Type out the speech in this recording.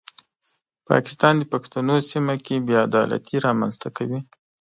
پاکستان د پښتنو سیمه کې بې عدالتي رامنځته کوي.